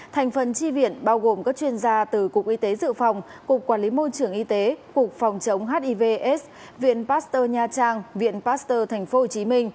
thành phần chi viện bao gồm các chuyên gia từ cục y tế dự phòng cục quản lý môi trường y tế cục phòng chống hivs viện pasteur nha trang viện pasteur tp hcm